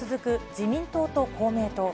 自民党と公明党。